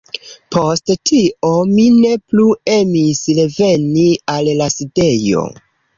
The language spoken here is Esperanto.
Post tio, mi ne plu emis reveni al la sidejo.